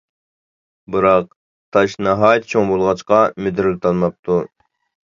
بىراق تاش ناھايىتى چوڭ بولغاچقا مىدىرلىتالماپتۇ.